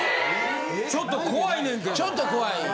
・ちょっと怖いねんけど・ちょっと怖い。